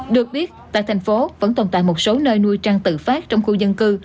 được biết tại thành phố vẫn tồn tại một số nơi nuôi trăng tự phát trong khu dân cư